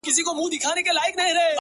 بگوت گيتا د هندوانو مذهبي کتاب،